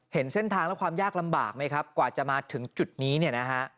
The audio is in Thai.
เห็นเส้นทางและความยากลำบากไหมครับกว่าจะมาถึงจุดนี้เนี่ยนะฮะ